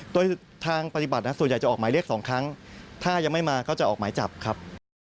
โดยทางปฏิบัติส่วนใหญ่จะออกหมายเรียก๒ครั้งถ้ายังไม่มาก็จะออกหมายจับครับ